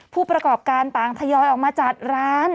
ผู้ประกอบการต่างทยอยออกมาจัดร้าน